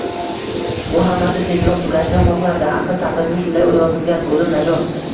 U hammasi tezroq tugashini xohlardi, axir taqdirga shunday yozilgan, o`lim najot